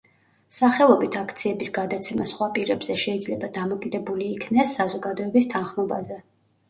სახელობით აქციების გადაცემა სხვა პირებზე შეიძლება დამოკიდებული იქნეს საზოგადოების თანხმობაზე.